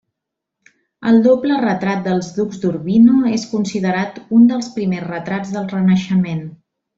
El doble retrat dels ducs d'Urbino és considerat un dels primers retrats del Renaixement.